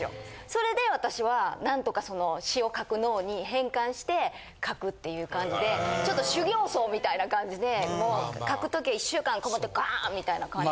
それで私は何とかその詞を書く脳に変換して書くっていう感じでちょっと修行僧みたいな感じでもう書く時は１週間こもってガーンみたいな感じ。